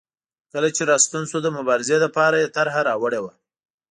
کله چې راستون شو د مبارزې لپاره یې طرحه راوړې وه.